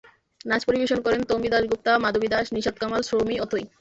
নাচ পরিবেশন করেন তন্বী দাশগুপ্তা, মাধবী দাশ, নিশাদ কামাল, সৌমি, অথৈ।